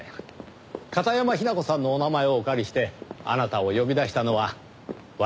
片山雛子さんのお名前をお借りしてあなたを呼び出したのは我々です。